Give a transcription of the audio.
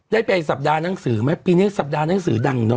ได้ไปสัปดาห์หนังสือไหมปีนี้สัปดาห์หนังสือดังเนอ